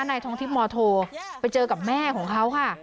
นายทองทิพย์มโทไปเจอกับแม่ของเขาค่ะ